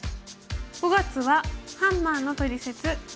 ５月は「ハンマーのトリセツ②」。